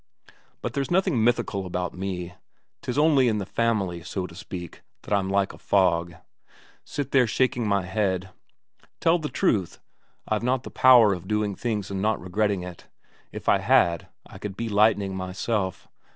But there's nothing mythical about me; 'tis only in the family, so to speak, that I'm like a fog. Sit there shaking my head. Tell the truth I've not the power of doing things and not regretting it. If I had, I could be lightning myself.